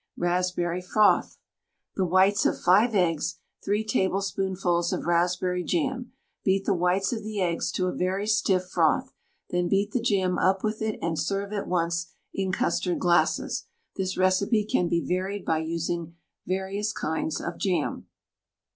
RASPBERRY FROTH. The whites of 5 eggs, 3 tablespoonfuls of raspberry jam. Beat the whites of the eggs to a very stiff froth, then beat the jam up with it and serve at once in custard glasses. This recipe can be varied by using various kinds of jam.